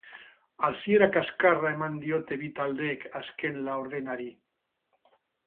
Hasiera kaskarra eman diote bi taldeek azken laurdenari.